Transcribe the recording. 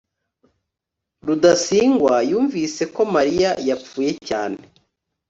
rudasingwa yumvise ko mariya yapfuye cyane